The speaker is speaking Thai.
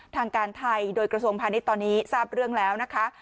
ทางการไทยโดยกระทรวงพาณิชย์ตอนนี้ทราบเรื่องแล้วนะคะ